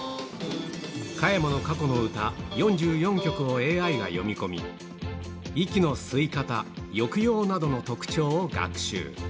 加山の過去の歌４４曲をＡＩが読み込み、息の吸い方、抑揚などの特徴を学習。